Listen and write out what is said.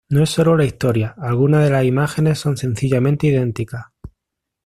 No es solo la historia, algunas de las imágenes son sencillamente idénticas